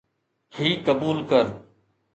هي قبول ڪر.